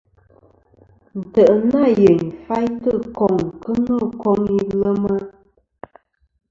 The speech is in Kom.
Ntè' nâ yèyn faytɨ koŋ kɨ no koŋ ilema.